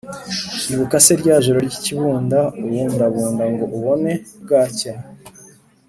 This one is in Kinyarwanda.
ibuka se rya joro ry’ikibunda ubundabunda ngo ubone bwacya